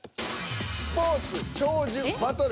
「スポーツ」「長寿」「バトル」。